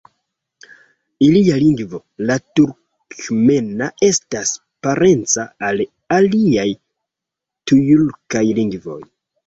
Ilia lingvo, la turkmena, estas parenca al aliaj tjurkaj lingvoj.